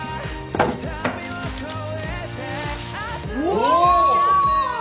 お！